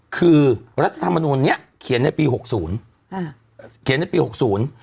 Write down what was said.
คือรัฐธรรมนูลเนี้ยเขียนในปีหกศูนย์อ่าเขียนในปีหกศูนย์